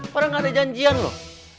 padahal nggak ada janjian loh